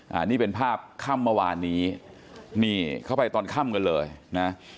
อันนี้เป็นภาพค่ำเมื่อวานนี้นี่เข้าไปตอนค่ำกันเลยนะ